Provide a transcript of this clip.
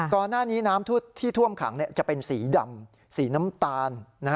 ก่อนหน้านี้น้ำที่ท่วมขังจะเป็นสีดำสีน้ำตาล